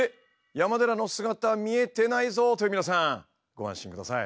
山寺の姿見えてないぞ！という皆さんご安心ください。